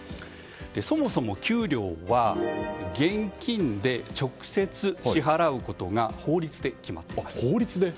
そもそも給料は現金で直接支払うことが法律で決まっています。